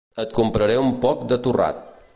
Et compraré un poc de torrat.